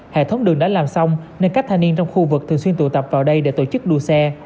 hệ thống đường đã làm xong nên các thanh niên trong khu vực thường xuyên tụ tập vào đây để tổ chức đua xe